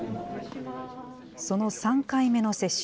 その３回目の接種。